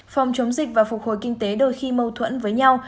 phòng chống dịch và phục hồi kinh tế đôi khi mâu thuẫn với nhau